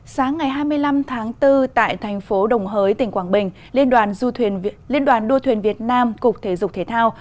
sáng ngày hai mươi năm tháng bốn tại thành phố đồng hới tỉnh quảng bình liên đoàn đua thuyền việt nam cục thể dục thể thao